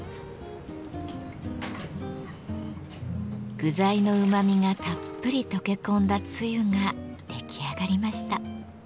具材のうまみがたっぷり溶け込んだつゆが出来上がりました。